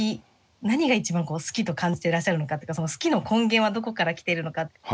何が一番好きと感じていらっしゃるのかその好きの根源はどこから来ているのか？